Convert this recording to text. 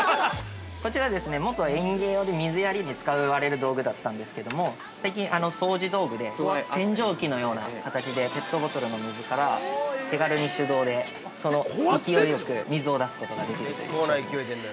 ◆こちらですね、元園芸用で水やりに使われる道具だったんですけども最近、掃除道具で高圧洗浄機のような形でペットボトルの水から手軽に手動で、勢いよく水を出すことができるという。